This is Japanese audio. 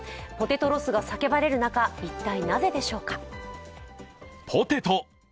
ポテトロスが叫ばれる中、一体なぜでしょうか。